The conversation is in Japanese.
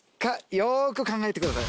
よく考えてください。